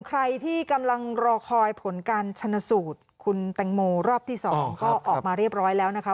ใครที่กำลังรอคอยผลการชนสูตรคุณแตงโมรอบที่๒ก็ออกมาเรียบร้อยแล้วนะคะ